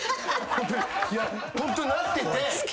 ホントなってて！